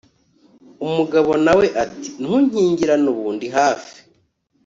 umugabo nawe ati ntunkingirane ubu ndi hafi